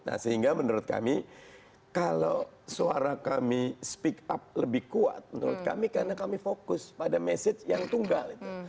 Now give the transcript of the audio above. nah sehingga menurut kami kalau suara kami speak up lebih kuat menurut kami karena kami fokus pada message yang tunggal itu